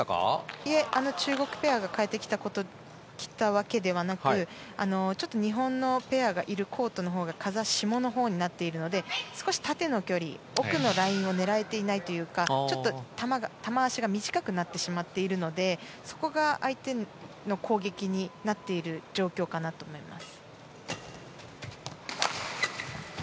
いえ、中国ペアが変えてきたわけではなくちょっと日本のペアがいるコートのほうが風下のほうになっているので少し縦の距離、奥のラインを狙えていないというかちょっと球足が短くなってしまっているのでそこが相手の攻撃になっている状況かなと思います。